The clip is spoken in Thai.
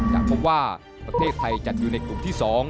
อย่างเพราะว่าประเทศไทยจัดอยู่ในกลุ่มที่๒